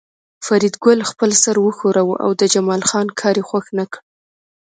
فریدګل خپل سر وښوراوه او د جمال خان کار یې خوښ نکړ